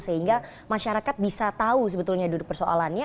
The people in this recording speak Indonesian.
sehingga masyarakat bisa tahu sebetulnya duduk persoalannya